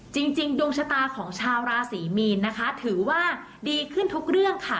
จริงดวงชะตาของชาวราศรีมีนนะคะถือว่าดีขึ้นทุกเรื่องค่ะ